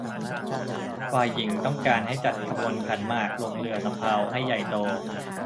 ฝ่ายหญิงต้องการให้จัดขบวนขันหมากลงเรือสำเภาให้ใหญ่โต